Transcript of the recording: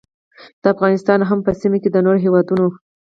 د افغانستان او هم په سیمه کې د نورو هیوادونو